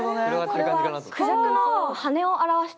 これはクジャクの羽を表しています。